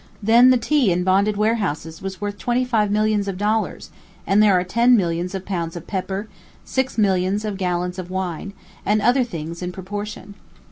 Then the tea in bonded warehouses was worth twenty five millions of dollars; and there are ten millions of pounds of pepper, six millions of gallons of wine, and other things in proportion.